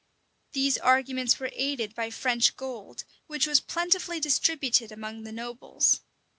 These arguments were aided by French gold, which was plentifully distributed among the nobles.